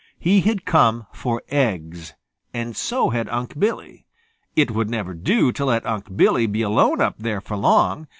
He had come for eggs, and so had Unc' Billy. It would never do to let Unc' Billy be alone up there for long.